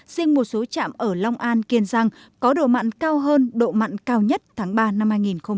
riêng một số trạm ở long an kiên giang có độ mặn cao hơn độ mặn cao nhất tháng ba năm hai nghìn hai mươi